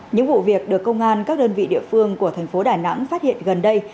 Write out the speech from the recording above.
những vụ việc được công an các đơn vị địa phương của thành phố đà nẵng phát hiện gần đây